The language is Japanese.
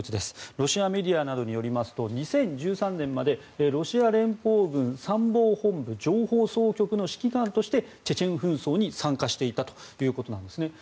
ロシアメディアなどによりますと２０１３年までロシア連邦軍参謀本部情報総局の指揮官としてチェチェン紛争に参加していたということなんですね。